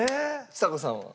ちさ子さんは？